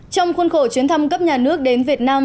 trong khuôn khổ chuyến thăm cấp nhà nước đến việt nam